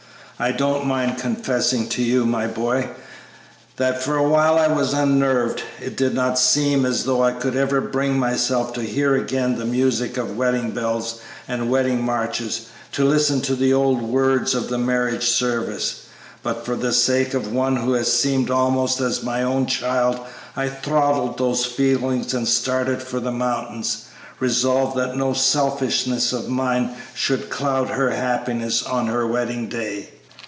I don't mind confessing to you, my boy, that for a while I was unnerved. It did not seem as though I could ever bring myself to hear again the music of wedding bells and wedding marches, to listen to the old words of the marriage service. But for the sake of one who has seemed almost as my own child I throttled those feelings and started for the mountains, resolved that no selfishness of mine should cloud her happiness on her wedding day.